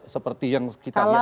seperti yang kita lihat